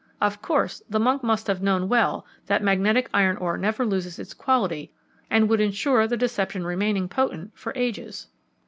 Of course, the monk must have known well that magnetic iron ore never loses its quality and would ensure the deception remaining potent for ages."